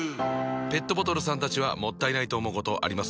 ペットボトルさんたちはもったいないと思うことあります？